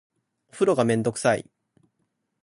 お風呂がめんどくさい